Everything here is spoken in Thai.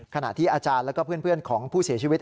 ขณะที่อาจารย์แล้วก็เพื่อนของผู้เสียชีวิต